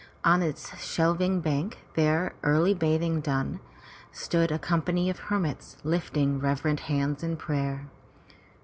On its shelving bank, their early bathing done, stood a company of hermits lifting reverent hands in prayer.